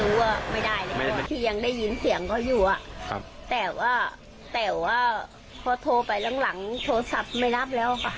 ก็บอกว่าหายเท่าไหร่ที่จะกลับ